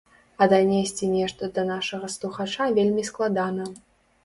А данесці нешта да нашага слухача вельмі складана.